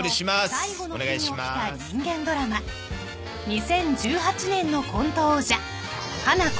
［２０１８年のコント王者ハナコ］